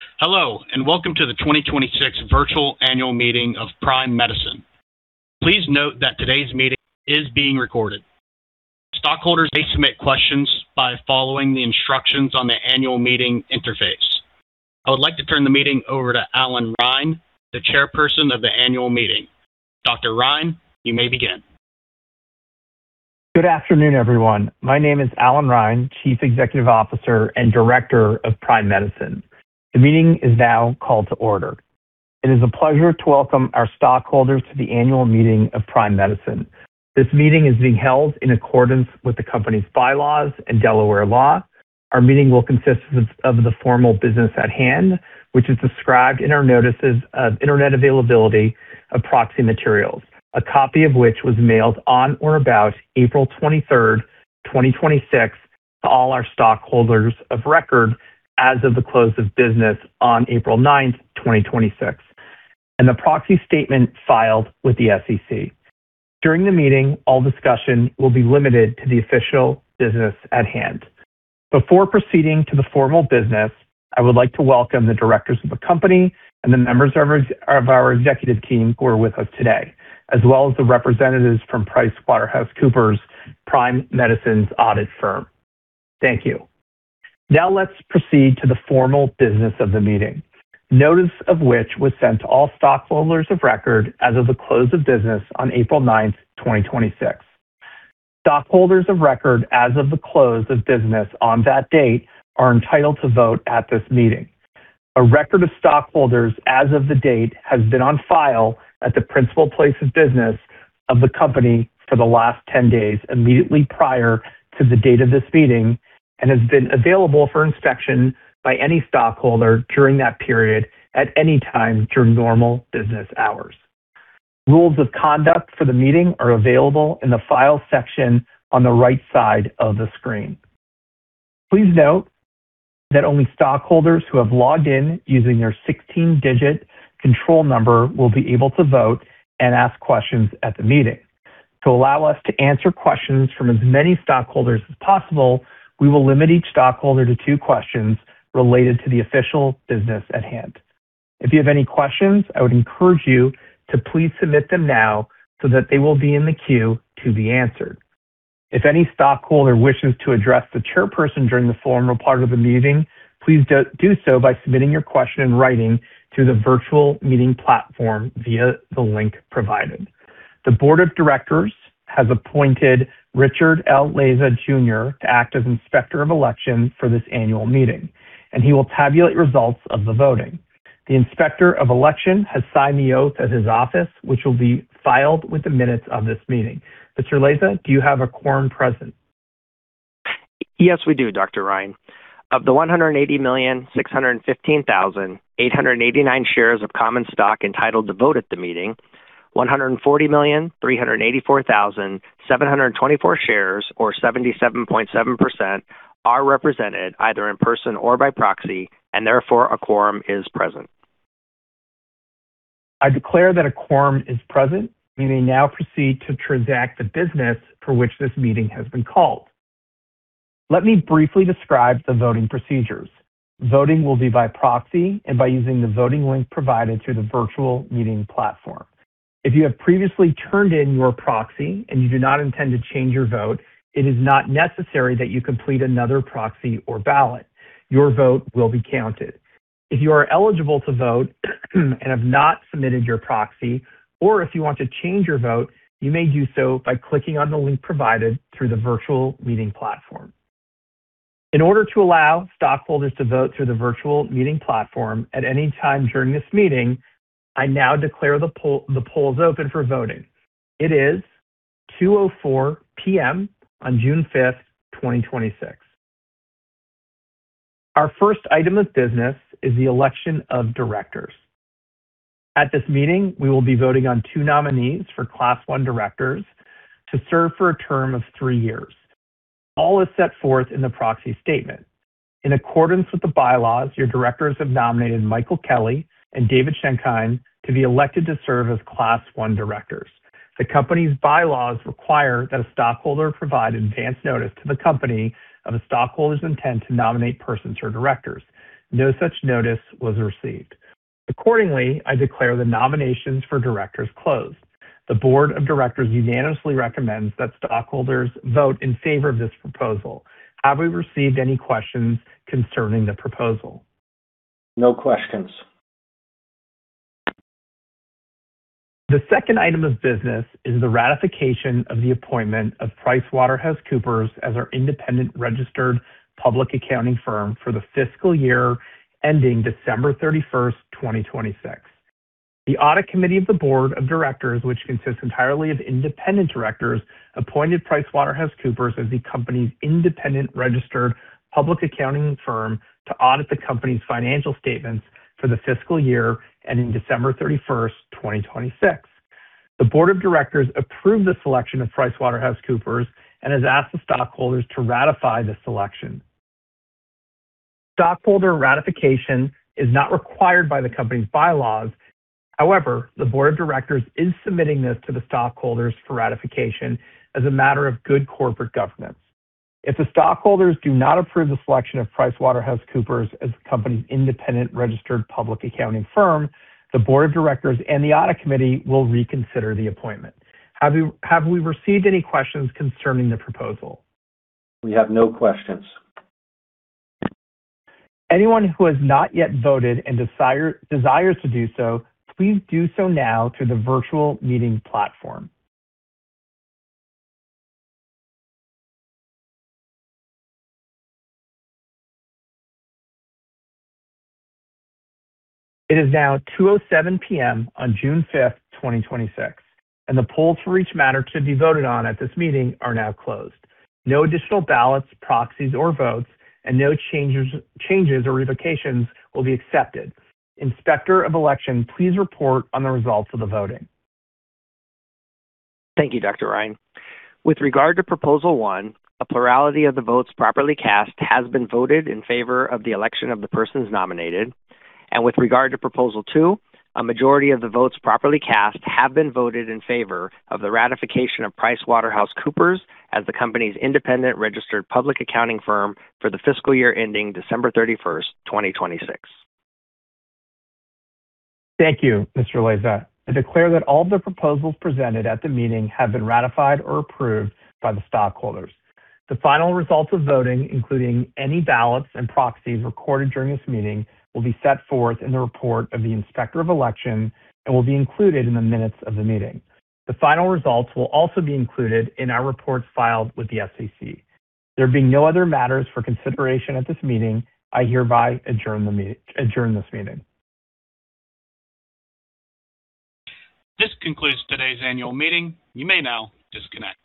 Hello, and welcome to the 2026 virtual annual meeting of Prime Medicine. Please note that today's meeting is being recorded. Stockholders may submit questions by following the instructions on the annual meeting interface. I would like to turn the meeting over to Allan Reine, the Chairperson of the Annual Meeting. Dr. Reine, you may begin. Good afternoon, everyone. My name is Allan Reine, Chief Executive Officer and Director of Prime Medicine. The meeting is now called to order. It is a pleasure to welcome our stockholders to the annual meeting of Prime Medicine. This meeting is being held in accordance with the company's bylaws and Delaware law. Our meeting will consist of the formal business at hand, which is described in our notices of Internet availability of proxy materials, a copy of which was mailed on or about April 23rd, 2026 to all our stockholders of record as of the close of business on April 9th, 2026, and the proxy statement filed with the SEC. During the meeting, all discussion will be limited to the official business at hand. Before proceeding to the formal business, I would like to welcome the directors of the company and the members of our executive team who are with us today, as well as the representatives from PricewaterhouseCoopers, Prime Medicine's audit firm. Thank you. Let's proceed to the formal business of the meeting, notice of which was sent to all stockholders of record as of the close of business on April 9th, 2026. Stockholders of record as of the close of business on that date are entitled to vote at this meeting. A record of stockholders as of the date has been on file at the principal place of business of the company for the last 10 days immediately prior to the date of this meeting and has been available for inspection by any stockholder during that period at any time during normal business hours. Rules of conduct for the meeting are available in the Files section on the right side of the screen. Please note that only stockholders who have logged in using their 16-digit control number will be able to vote and ask questions at the meeting. To allow us to answer questions from as many stockholders as possible, we will limit each stockholder to two questions related to the official business at hand. If you have any questions, I would encourage you to please submit them now so that they will be in the queue to be answered. If any stockholder wishes to address the Chairperson during the formal part of the meeting, please do so by submitting your question in writing through the Virtual Meeting platform via the link provided. The Board of Directors has appointed Richard L. Leza Jr. to act as Inspector of Election for this annual meeting, and he will tabulate results of the voting. The Inspector of Election has signed the oath at his office, which will be filed with the minutes of this meeting. Mr. Leza, do you have a quorum present? Yes, we do, Dr. Reine. Of the 180,615,889 shares of common stock entitled to vote at the meeting, 140,384,724 shares or 77.7%, are represented either in person or by proxy. Therefore, a quorum is present. I declare that a quorum is present. We may now proceed to transact the business for which this meeting has been called. Let me briefly describe the voting procedures. Voting will be by proxy and by using the voting link provided through the Virtual Meeting platform. If you have previously turned in your proxy and you do not intend to change your vote, it is not necessary that you complete another proxy or ballot. Your vote will be counted. If you are eligible to vote and have not submitted your proxy, or if you want to change your vote, you may do so by clicking on the link provided through the Virtual Meeting platform. In order to allow stockholders to vote through the Virtual Meeting platform at any time during this meeting, I now declare the polls open for voting. It is 2:04 P.M. on June 5th, 2026. Our first item of business is the election of directors. At this meeting, we will be voting on two nominees for Class I Directors to serve for a term of three years. All is set forth in the proxy statement. In accordance with the bylaws, your directors have nominated Michael Kelly and David Schenkein to be elected to serve as Class I Directors. The company's bylaws require that a stockholder provide advance notice to the company of a stockholder's intent to nominate persons or directors. No such notice was received. Accordingly, I declare the nominations for directors closed. The Board of Directors unanimously recommends that stockholders vote in favor of this proposal. Have we received any questions concerning the proposal? No questions. The second item of business is the ratification of the appointment of PricewaterhouseCoopers as our independent registered public accounting firm for the fiscal year ending December 31st, 2026. The audit committee of the Board of Directors, which consists entirely of independent directors, appointed PricewaterhouseCoopers as the company's independent registered public accounting firm to audit the company's financial statements for the fiscal year ending December 31st, 2026. The Board of Directors approved the selection of PricewaterhouseCoopers and has asked the stockholders to ratify the selection. Stockholder ratification is not required by the company's bylaws. However, the Board of Directors is submitting this to the stockholders for ratification as a matter of good corporate governance. If the stockholders do not approve the selection of PricewaterhouseCoopers as the company's independent registered public accounting firm, the Board of Directors and the audit committee will reconsider the appointment. Have we received any questions concerning the proposal? We have no questions. Anyone who has not yet voted and desires to do so, please do so now through the Virtual Meeting platform. It is now 2:07 P.M. on June 5th, 2026, and the polls for each matter to be voted on at this meeting are now closed. No additional ballots, proxies, or votes, and no changes or revocations will be accepted. Inspector of Election, please report on the results of the voting. Thank you, Dr. Reine. With regard to Proposal 1, a plurality of the votes properly cast has been voted in favor of the election of the persons nominated. With regard to Proposal 2, a majority of the votes properly cast have been voted in favor of the ratification of PricewaterhouseCoopers as the company's independent registered public accounting firm for the fiscal year ending December 31st, 2026. Thank you, Mr. Leza. I declare that all of the proposals presented at the meeting have been ratified or approved by the stockholders. The final results of voting, including any ballots and proxies recorded during this meeting, will be set forth in the report of the Inspector of Election and will be included in the minutes of the meeting. The final results will also be included in our reports filed with the SEC. There being no other matters for consideration at this meeting, I hereby adjourn this meeting. This concludes today's annual meeting. You may now disconnect.